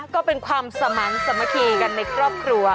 ก็เป็นความสมันสามัคคีกันในครอบครัว